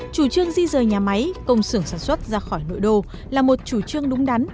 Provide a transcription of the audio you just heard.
chủ trương di rời nhà máy công sưởng sản xuất ra khỏi nội đô là một chủ trương đúng đắn